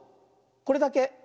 これだけ。